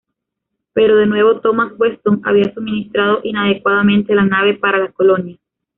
Pero, de nuevo, Thomas Weston había suministrado inadecuadamente la nave para la colonia.